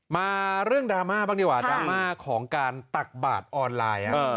มาเรื่องดราม่าบ้างดีกว่าดราม่าของการตักบาทออนไลน์